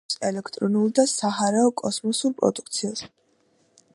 აწარმოებს ელექტრონულ და საჰაერო კოსმოსურ პროდუქციას.